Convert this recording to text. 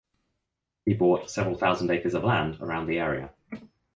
He bought several thousand acres of land around the area.